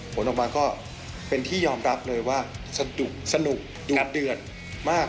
ผลออกมาก็เป็นที่ยอมรับเลยว่าสนุกดุเดือดมาก